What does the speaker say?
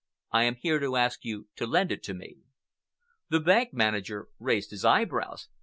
"I am here to ask you to lend it to me." The bank manager raised his eyebrows.